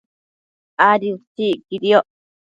Adi utsi iquidioc